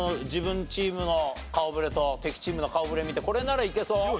自分チームの顔ぶれと敵チームの顔ぶれ見てこれならいけそう？